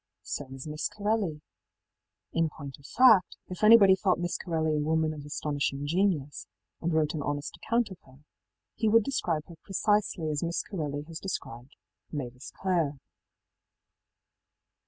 So is Miss Corelli. In point of fact, if anybody thought Miss Corelli a woman of astonishing genius, and wrote an honest account of her, he would describe her precisely as Miss Corelli has described ëMavis Clare.